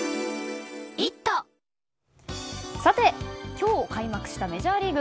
今日開幕したメジャーリーグ。